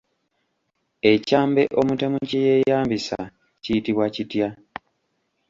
Ekyambe omutemu kye yeeyambisa kiyitibwa kitya?